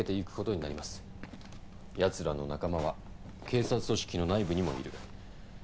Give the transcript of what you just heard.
奴らの仲間は警察組織の内部にもいる。